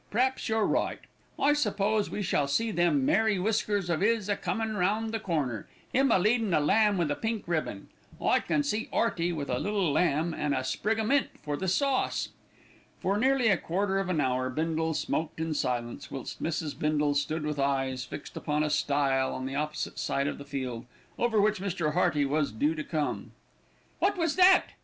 "P'raps you're right. I suppose we shall see them merry whiskers of 'is a comin' round the corner, 'im a leadin' a lamb with a pink ribbon. I can see 'Earty with a little lamb, an' a sprig o' mint for the sauce." For nearly a quarter of an hour Bindle smoked in silence, whilst Mrs. Bindle stood with eyes fixed upon a stile on the opposite side of the field, over which Mr. Hearty was due to come. "What was that?"